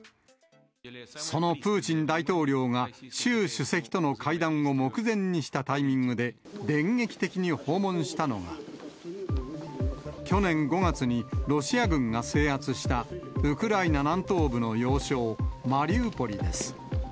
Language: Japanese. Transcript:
そのプーチン大統領が習主席との会談を目前にしたタイミングで電撃的に訪問したのが、去年５月にロシア軍が制圧したウクライナ南東部の要衝、マリウポリです。